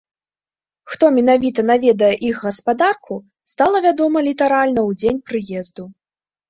Хто менавіта наведае іх гаспадарку, стала вядома літаральна ў дзень прыезду.